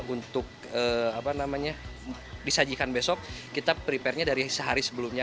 untuk apa namanya disajikan besok kita prepare nya dari sehari sebelumnya